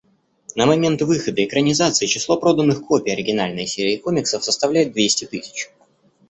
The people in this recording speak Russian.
На момент выхода экранизации число проданных копий оригинальной серии комиксов составляет двести тысяч.